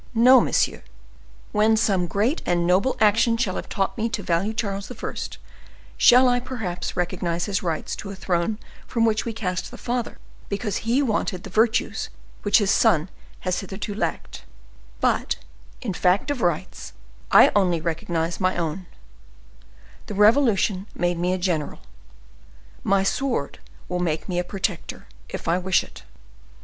No, monsieur. When some great and noble action shall have taught me to value Charles, I shall perhaps recognize his rights to a throne from which we cast the father because he wanted the virtues which his son has hitherto lacked, but, in fact of rights, I only recognize my own; the revolution made me a general, my sword will make me protector, if I wish it.